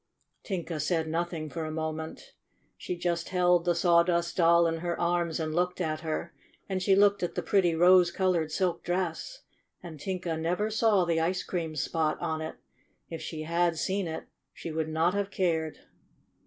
Tinka said nothing for a moment. She just held the Sawdust Doll in her arms and looked at her, and she looked at the pretty rose ^colored silk dress. And Tinka never saw the ice cream spot on it. If she had seen it she would not have cared.